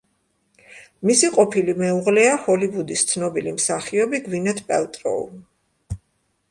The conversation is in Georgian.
მისი ყოფილი მეუღლეა ჰოლივუდის ცნობილი მსახიობი გვინეთ პელტროუ.